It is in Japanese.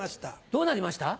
どうなりました？